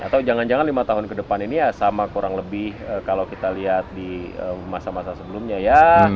atau jangan jangan lima tahun ke depan ini ya sama kurang lebih kalau kita lihat di masa masa sebelumnya ya